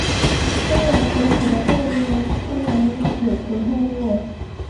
拥有头骨的动物称为有头动物。